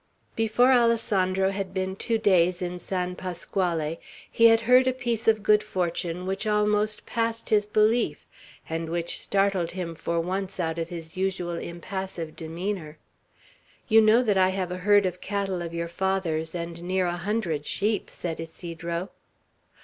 Before Alessandro had been two days in San Pasquale, he had heard of a piece of good fortune which almost passed his belief, and which startled him for once out of his usual impassive demeanor. "You know I have a herd of cattle of your father's, and near a hundred sheep?" said Ysidro.